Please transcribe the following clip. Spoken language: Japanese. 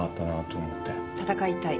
闘いたい。